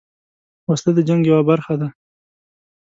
وسله د جنګ یوه برخه ده